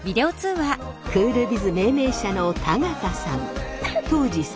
クールビズ命名者の田形さん。